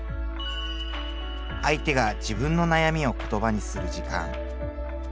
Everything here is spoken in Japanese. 相手が自分の悩みを言葉にする時間。